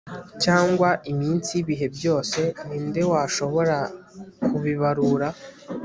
cyangwa iminsi y'ibihe byose, ni nde washobora kubibarura